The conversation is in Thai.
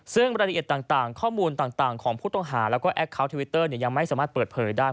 ซึ่งรายละเอียดต่างข้อมูลต่างของผู้ต้องหาแล้วก็แอคเคาน์ทวิตเตอร์ยังไม่สามารถเปิดเผยได้